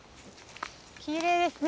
きれいですね